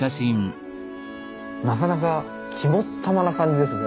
なかなか肝っ玉な感じですね。